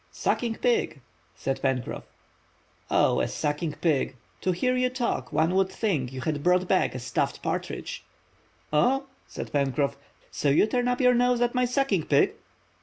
"Sucking pig," said Pencroff. "Oh, a suckling pig! To hear you talk one would think you had brought back a stuffed partridge!" "Umph," said Pencroff, "so you turn up your nose at my suckling pig?"